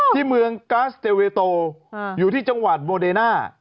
ที่เมืองกาสเตเวโตอยู่ที่จังหวัดโมเดน่า